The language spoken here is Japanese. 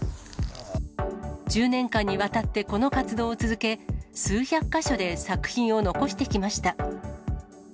１０年間にわたってこの活動を続け、数百か所で作品を残してきました。